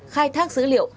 khai thác dữ liệu